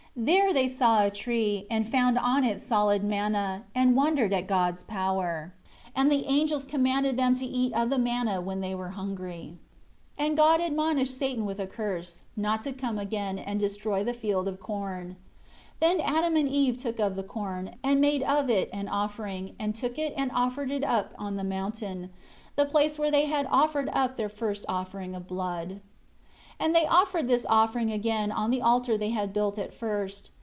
8 There they saw a tree, and found on it solid manna; and wondered at God's power. And the angels commanded them to eat of the manna when they were hungry. 9 And God admonished Satan with a curse, not to come again, and destroy the field of corn. 10 Then Adam and Eve took of the corn, and made of it an offering, and took it and offered it up on the mountain, the place where they had offered up their first offering of blood. 11 And they offered this offering again on the altar they had built at first.